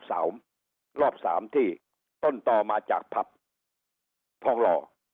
รอบสามที่ต้นต่อมาจากผับทองหล่อ